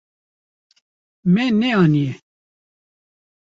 Me neaniye.